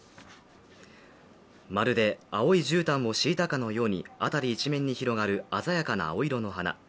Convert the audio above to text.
まるで青いじゅうたんを敷いたかのように辺り一面に広がる鮮やかな青色の花。